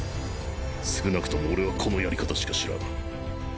少なくとも俺はこのやり方しか知らん。